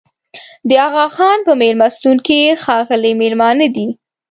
د اغاخان په مېلمستون کې ښاغلي مېلمانه دي.